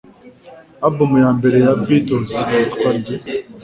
Album ya mbere ya Beatles yitwa nde?